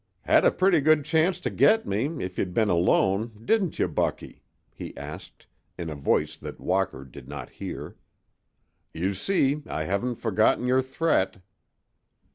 "Had a pretty good chance to get me, if you'd been alone, didn't you, Bucky?" he asked, in a voice that Walker did not hear. "You see, I haven't forgotten your threat."